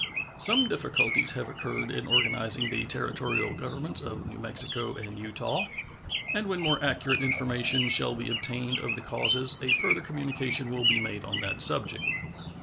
Some difficulties have occurred in organizing the Territorial governments of New Mexico and Utah, and when more accurate information shall be obtained of the causes a further communication will be made on that subject.